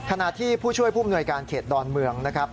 ขณะที่ผู้ช่วยผู้มนวยการเขตดอนเมืองนะครับ